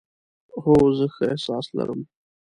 هو، زه ښه احساس لرم